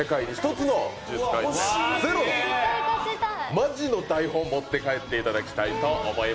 マジの台本持って帰っていただきたいと思います。